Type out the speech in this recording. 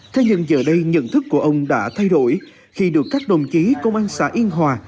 thế nhưng giờ đây nhận thức của ông đã thay đổi khi được các đồng chí công an xã yên hòa